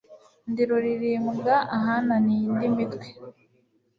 Ndi Ruri rimbwa ahananiye indi mitwe.